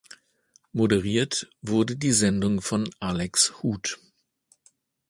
Moderiert wurde die Sendung von Alex Huth.